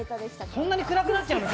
そんなに暗くなっちゃうの？